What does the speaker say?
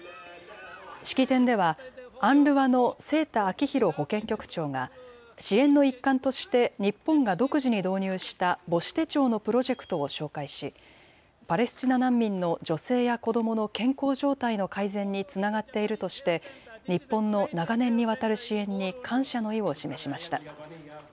式典ではＵＮＲＷＡの清田明宏保健局長が支援の一環として日本が独自に導入した母子手帳のプロジェクトを紹介しパレスチナ難民の女性や子どもの健康状態の改善につながっているとして日本の長年にわたる支援に感謝の意を示しました。